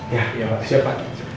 ya ya pak siapa